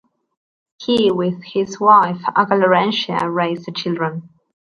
He, with his wife, Acca Larentia, raised the children.